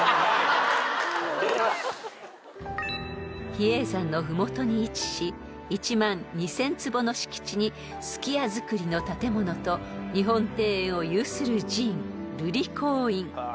［比叡山の麓に位置し１万２，０００坪の敷地に数寄屋造りの建物と日本庭園を有する寺院］